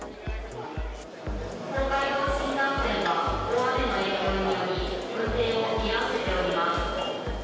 東海道新幹線は、大雨の影響により運転を見合わせております。